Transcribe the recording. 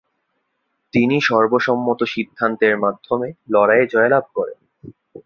তিনি সর্বসম্মত সিদ্ধান্তের মাধ্যমে লড়াইয়ে জয়লাভ করেন।